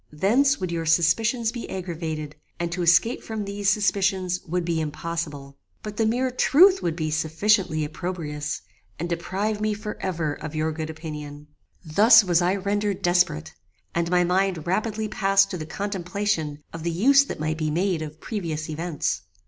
Thence would your suspicions be aggravated, and to escape from these suspicions would be impossible. But the mere truth would be sufficiently opprobrious, and deprive me for ever of your good opinion. "Thus was I rendered desperate, and my mind rapidly passed to the contemplation of the use that might be made of previous events.